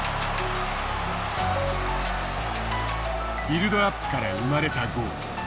ビルドアップから生まれたゴール。